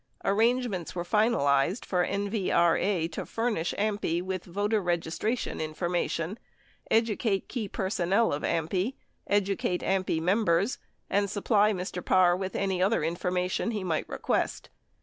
Arrangements were finalized for NVRA to furnish AMPI with "... voter registration information, educate key personnel of AMPI, edu cate AMPI members, and supply Mr. Parr with any other informa tion he might request.